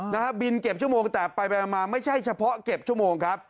นะฮะบินเก็บชั่วโมงแต่ไปไปมาไม่ใช่เฉพาะเก็บชั่วโมงครับ